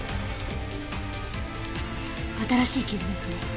新しい傷ですね。